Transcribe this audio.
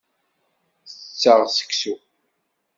Tetteɣ seksu.